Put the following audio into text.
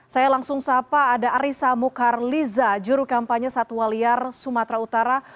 saya langsung sapa ada arissa mukarliza juru kampanye satwa liar sumatera utara